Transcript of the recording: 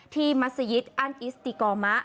มัศยิตอันอิสติกอมะ